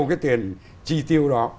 cái tiền chi tiêu đó